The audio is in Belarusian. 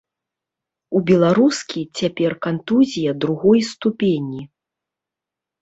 У беларускі цяпер кантузія другой ступені.